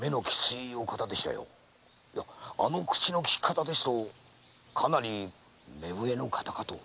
あの口のきき方ですとかなり目上の方かと。